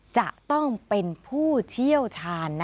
จะต้องเป็นผู้เชี่ยวชาญ